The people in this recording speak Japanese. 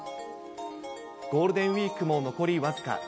ゴールデンウィークも残り僅か。